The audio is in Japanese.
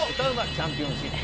チャンピオンシップ